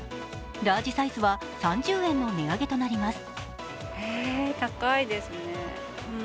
ラージサイズは３０円の値上げとなります。